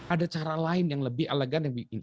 ada cara lain yang lebih elegan dan lebih